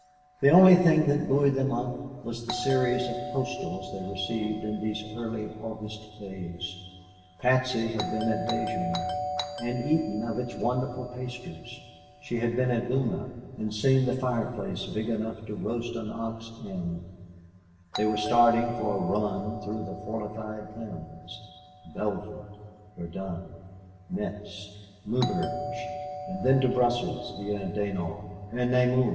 The only thing that buoyed them up was the series of postals they received in these early August days. Patsy had been at Dijon and eaten of its wonderful pastry. She had been at Beaune and seen the fireplace big enough to roast an ox in they were starting for a run through the fortified towns Belfort, Verdun, Metz, Maubeuge and then to Brussels via Dinant and Namur.